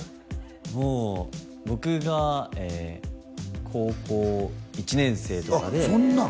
もう僕が高校１年生とかでそんなん！？